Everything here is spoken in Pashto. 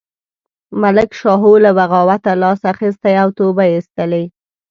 ملک شاهو له بغاوته لاس اخیستی او توبه یې ایستلې.